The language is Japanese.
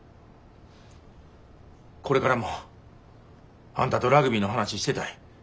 これからもあんたとラグビーの話してたい。